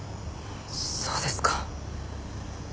そうですか。